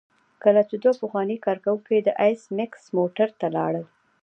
کله چې دوه پخواني کارکوونکي د ایس میکس موټر ته لاړل